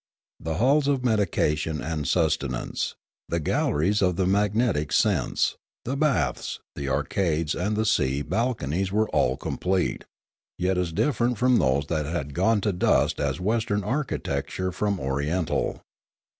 The halls of medication and sustenance, the galleries of the magnetic sense, the baths, the arcades, and the sea balconies were all complete, yet as different from those that had gone to dust as Western architec ture from Oriental.